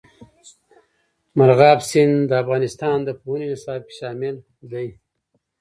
مورغاب سیند د افغانستان د پوهنې نصاب کې شامل دی.